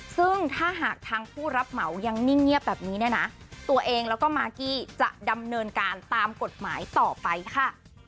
ซึ่งถ้าหากทางผู้รับเหมายังนิ่งเงียบแบบนี้เนี่ยนะตัวเองแล้วก็มากกี้จะดำเนินการตามกฎหมายต่อไปค่ะ